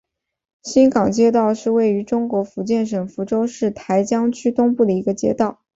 新港街道是位于中国福建省福州市台江区东部的一个街道。